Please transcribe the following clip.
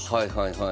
はい。